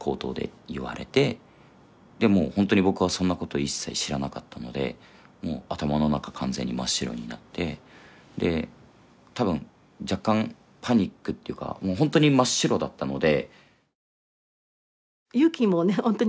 でもうほんとに僕はそんなこと一切知らなかったので頭の中完全に真っ白になってで多分若干パニックっていうかほんとに真っ白だったので。